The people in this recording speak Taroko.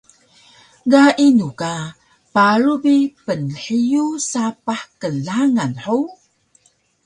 Ga inu ka paru bi pnhiyug sapah knglangan hug?